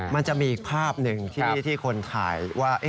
มันจะมีอีกภาพหนึ่งที่คนถ่ายว่า